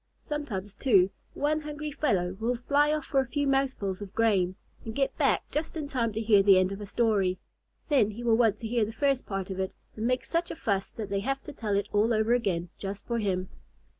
Sometimes, too, one hungry fellow will fly off for a few mouthfuls of grain, and get back just in time to hear the end of a story. Then he will want to hear the first part of it, and make such a fuss that they have to tell it all over again just for him.